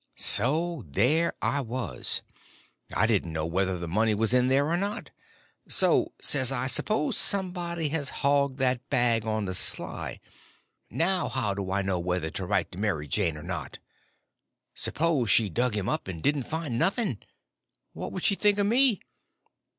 So there I was! I didn't know whether the money was in there or not. So, says I, s'pose somebody has hogged that bag on the sly?—now how do I know whether to write to Mary Jane or not? S'pose she dug him up and didn't find nothing, what would she think of me?